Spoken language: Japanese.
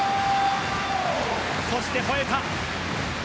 そしてほえた。